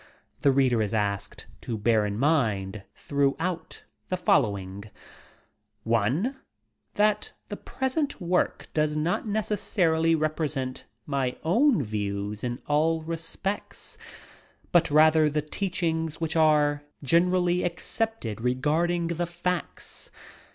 The reader is asked to bear in mind, throughout, the following: (1) That the present work does not necessarily represent my own views in all respects, but rather the teachings which are generally accepted regarding the facta.